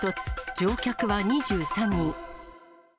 乗客は２３人。